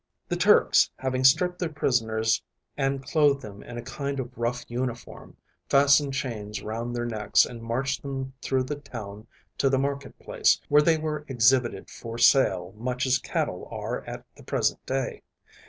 The Turks, having stripped their prisoners and clothed them in a kind of rough uniform, fastened chains round their necks and marched them through the town to the marketplace, where they were exhibited for sale much as cattle are at the present day.